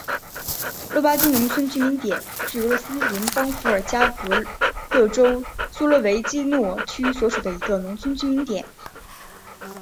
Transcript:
洛巴金农村居民点是俄罗斯联邦伏尔加格勒州苏罗维基诺区所属的一个农村居民点。